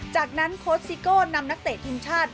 จากนั้นโค้ชซิโก้นำนักเตะทีมชาติ